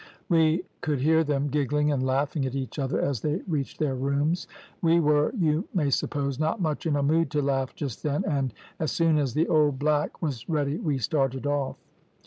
We could hear them giggling and laughing at each other as they reached their rooms. We were, you may suppose, not much in a mood to laugh just then, and, as soon as the old black was ready we started off.